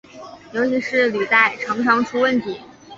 尤其是履带常常出问题。